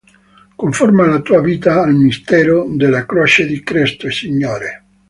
Conforma la tua vita al mistero della Croce di Cristo Signore.